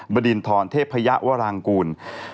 บดินทรเทพยะวรางกูล